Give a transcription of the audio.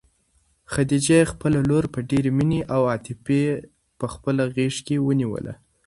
خدیجې خپله لور په ډېرې مینې او عاطفې په خپله غېږ کې ونیوله.